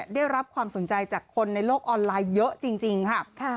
ได้รับความสนใจจากคนในโลกออนไลน์เยอะจริงค่ะ